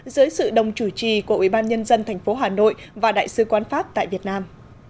dưới sự đồng chủ trì của ubnd tp hà nội và đại sứ quán pháp tại việt nam